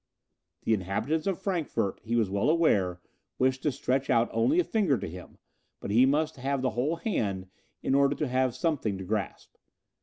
"The inhabitants of Frankfort, he was well aware, wished to stretch out only a finger to him, but he must have the whole hand in order to have something to grasp."